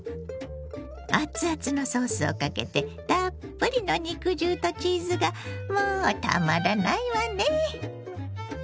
熱々のソースをかけてたっぷりの肉汁とチーズがもうたまらないわね！